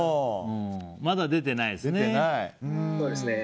まだ出てないですね。